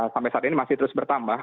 sampai saat ini masih terus bertambah